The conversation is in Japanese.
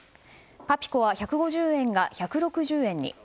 パピコは１５０円が１６０円に。